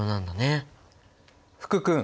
福君！